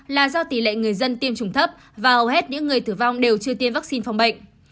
là do tỷ lệ người dân tiêm chủng thấp và hầu hết những người tử vong đều chưa tiêm vaccine phòng bệnh